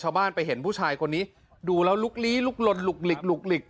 ชาวบ้านไปเห็นผู้ชายคนนี้ดูแล้วลุกลีลุกลดลุกหลีกลุกหลีก